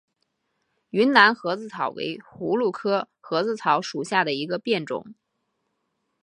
云南盒子草为葫芦科盒子草属下的一个变种。